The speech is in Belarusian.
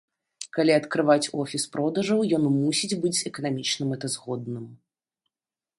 Калі адкрываць офіс продажаў, ён мусіць быць эканамічна мэтазгодным.